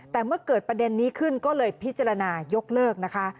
แต่เมื่อเกิดประเด็นนี้ขึ้นก็เลยพิจารณายกเลิกนะคะ